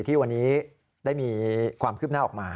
ที่วันนี้ได้มีความคืบหน้าออกมา